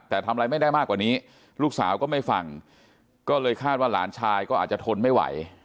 แต่ทำอะไรไม่ได้มากกว่านี้ลูกสาวก็ไม่ฟังก็เลยคาดว่าหลานชายก็อาจจะทนไม่ไหว